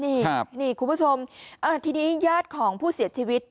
มีการฆ่ากันห้วย